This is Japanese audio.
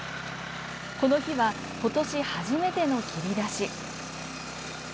この日は、今年初めての切り出し。